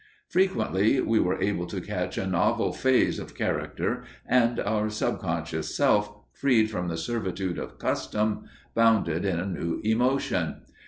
Frequently we were able to catch a novel phase of character, and our sub conscious self, freed from the servitude of custom, bounded in a new emotion.